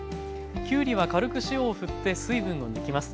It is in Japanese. きゅうりは軽く塩をふって水分を抜きます。